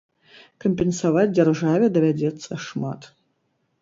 Кампенсаваць дзяржаве давядзецца шмат.